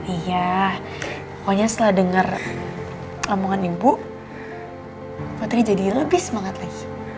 iya pokoknya setelah denger ngomongan ibu putri jadi lebih semangat lagi